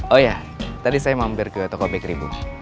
oh iya tadi saya mampir ke toko bakery bu